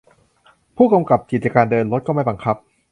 ผู้กำกับกิจการเดินรถก็ไม่บังคับ